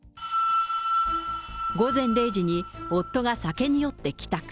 午前０時に夫が酒に酔って帰宅。